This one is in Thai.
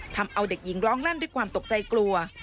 ทำเอาเด็กหญิงร้องลั่นด้วยความตกใจกลัว